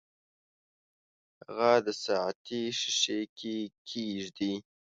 هغه د ساعتي ښيښې کې کیږدئ.